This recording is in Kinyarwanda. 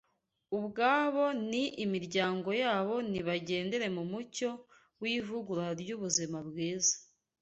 Ubwabo n’imiryango yabo nibagendere mu mucyo w’ivugurura ry’ubuzima bwiza